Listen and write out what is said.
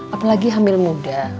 apalagi hamil muda